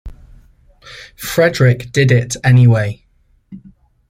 Frederick did it anyway.